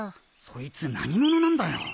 そいつ何者なんだよ。